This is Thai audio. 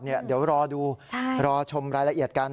เดี๋ยวรอดูรอชมรายละเอียดกัน